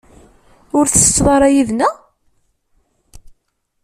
Ur tsetteḍ ara yid-nneɣ?